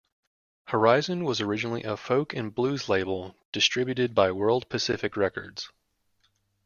Horizon was originally a folk and blues label distributed by World Pacific Records.